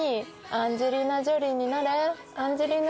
「アンジェリーナ・ジョリーになれ」？